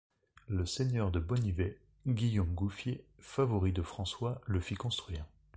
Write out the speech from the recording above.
Le seigneur de Bonnivet, Guillaume Gouffier, favori de François, le fit construire.